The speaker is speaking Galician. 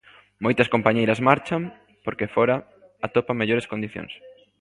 Moitas compañeiras marchan porque fóra atopan mellores condicións.